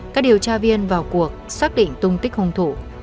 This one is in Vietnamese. các điều tra viên vào cuộc xác định tung tích hung thủ